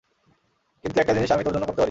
কিন্তু একটা জিনিস আমি তোর জন্য করতে পারি।